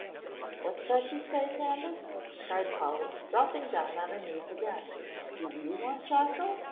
"What's that you say, Candace?" cried Polly, dropping down on her knees again. "Do you want Jocko?"